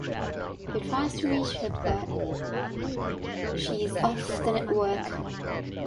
He tries to reach her but she is off the network.